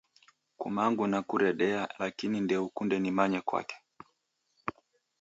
Kumangu nakuredea lakini ndeukunde nimanye kwake